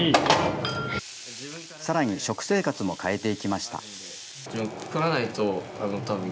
さらに食生活も変えていきました。